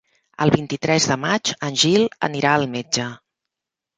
El vint-i-tres de maig en Gil anirà al metge.